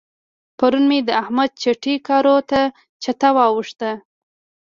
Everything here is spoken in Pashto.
پرون مې د احمد چټي کارو ته چته واوښته.